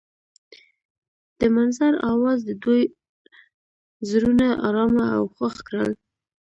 د منظر اواز د دوی زړونه ارامه او خوښ کړل.